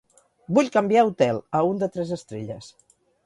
Vull canviar hotel, a un de tres estrelles.